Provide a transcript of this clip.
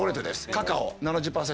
カカオ７０％。